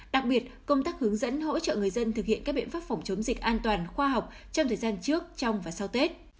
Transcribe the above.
đặc biệt công tác hướng dẫn hỗ trợ người dân thực hiện các biện pháp phòng chống dịch an toàn khoa học trong thời gian trước trong và sau tết